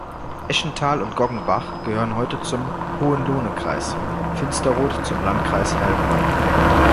Eschental und Goggenbach gehören heute zum Hohenlohekreis, Finsterrot zum Landkreis Heilbronn.